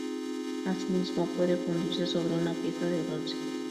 Asimismo puede fundirse sobre una pieza de bronce.